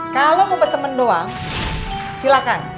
kalau mau berteman doang silakan